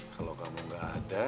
kalau kamu gak ada